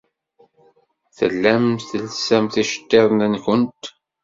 Tellamt telsamt iceḍḍiḍen-nwent.